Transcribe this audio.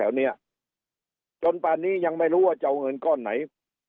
เนี่ยจนป่านนี้ยังไม่รู้ว่าจะเอาเงินก้อนไหน